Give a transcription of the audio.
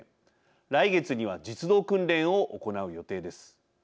来月には実動訓練を行う予定です。